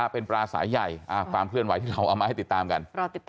เป็นปลาสายใหญ่ความเคลื่อนไหวที่เราเอามาให้ติดตามกัน